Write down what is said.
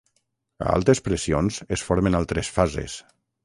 A altes pressions es formen altres fases.